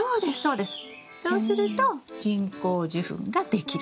そうすると人工授粉ができる。